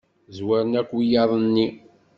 Zwaren akk wiyaḍ-nni.